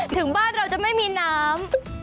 ถึงบ้านเราจะไม่มีน้ำ